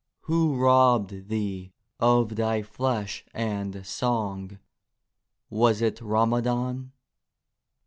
Who robbed thee of thy flesh and song,— Was it Ramadhan?